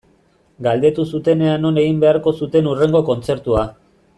Galdetu zuten ea non egin beharko zuten hurrengo kontzertua.